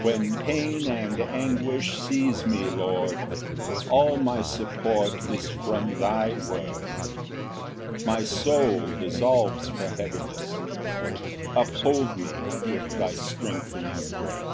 Ver. 143 28. 1 When pain and anguish seize me, Lord, All my support is from thy word: My soul dissolves for heaviness, Uphold me with thy strengthening grace.